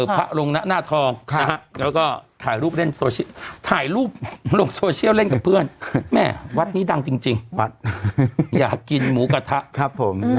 พระลงหน้าทอง